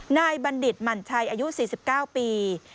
บัณฑิตหมั่นชัยอายุ๔๙ปี